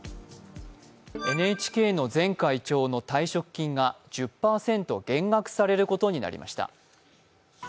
ＮＨＫの前会長の退職金が１０％減額されることになりました。